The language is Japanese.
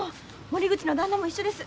森口の旦那も一緒です。